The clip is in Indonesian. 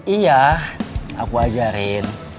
iya aku ajarin